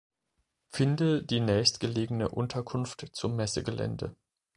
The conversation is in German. Finde die nächstgelegene Unterkunft zum Messegelände.